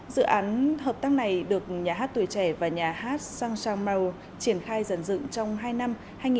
dự án hợp tác này được nhà hát tuổi trẻ và nhà hát sang sang mao triển khai dần dựng trong hai năm hai nghìn hai mươi hai hai nghìn hai mươi ba